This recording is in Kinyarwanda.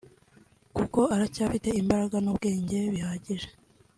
kuko aracyafite imbaraga n’ubwenge bihagije